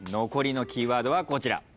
残りのキーワードはこちら。